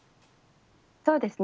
そうですね。